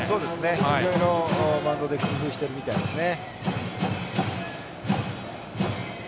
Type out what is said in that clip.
いろいろマウンドで工夫しているみたいですね。